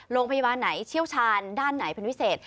โรงพยาบาลไหนเชี่ยวชาญด้านไหนเป็นพิเศษ